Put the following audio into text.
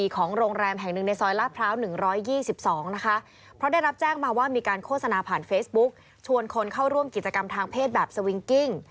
เข้าร่วมกิจกรรมทางเพศแบบสวิงกิ้ง